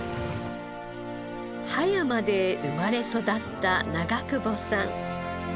葉山で生まれ育った長久保さん。